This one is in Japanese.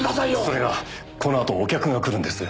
それがこのあとお客が来るんです。